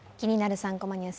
３コマニュース」